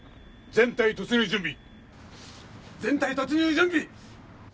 全隊突入準備。